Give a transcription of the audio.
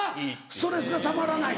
ストレスがたまらない。